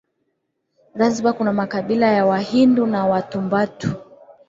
Zanzibar kuna makabila ya Wahamidu na Watumbatu